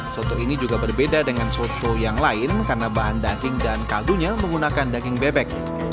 soto ini juga berbeda dengan soto yang lain karena bahan daging dan kaldunya menggunakan daging bebek